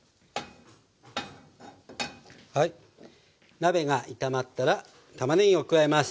鍋が炒まったらたまねぎを加えます。